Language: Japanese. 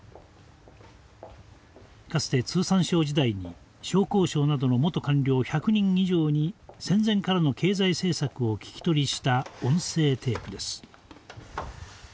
かつて通産省時代に商工省などの元官僚１００人以上に戦前からの経済政策を聞き取りした音声テープです。